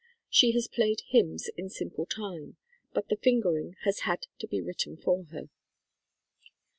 She has played hymns in simple time, but the fingering has had to be written for her.